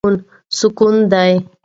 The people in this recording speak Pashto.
سکون دی.